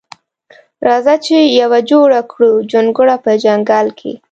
راځه چې یوه جوړه کړو جونګړه په ځنګل کښې